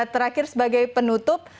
terakhir sebagai penutup